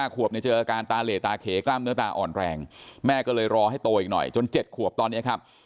ขวบเนี่ยเจออาการตาเหลตาเขกล้ามเนื้อตาอ่อนแรงแม่ก็เลยรอให้โตอีกหน่อยจน๗ขวบตอนนี้ครับ